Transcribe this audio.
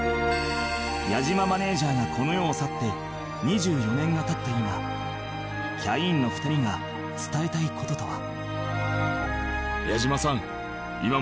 矢島マネジャーがこの世を去って２４年が経った今キャインの２人が伝えたい事とは？